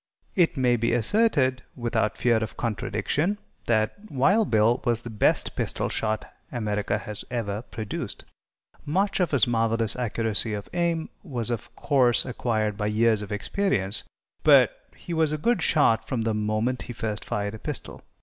It may be asserted, without fear of contradiction, that Wild Bill was the best pistol shot America has ever produced. Much of his marvelous accuracy of aim was, of course, acquired by years of experience, but he was a good shot from the moment he first fired a pistol.